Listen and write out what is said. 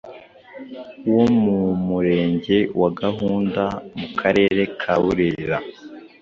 wo mu Murenge wa Gahunda mu Karere ka Burera,